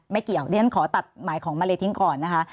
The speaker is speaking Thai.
ไม่เกี่ยวดิฉันขอตัดหมายของมาเลทิ้งก่อนนะคะ